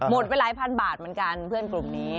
ไปหลายพันบาทเหมือนกันเพื่อนกลุ่มนี้